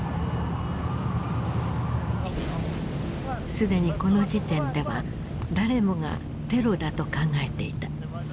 既にこの時点では誰もがテロだと考えていた。